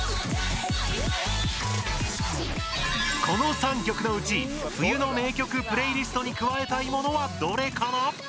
この３曲のうち冬の名曲プレイリストに加えたいものはどれかな？